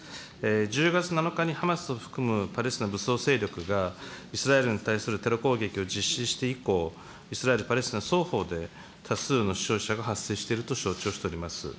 １０月７日にハマスを含むパレスチナ武装勢力がイスラエルに対するテロ攻撃を実施して以降、イスラエル・パレスチナ双方で多数の死傷者が発生していると承知をしております。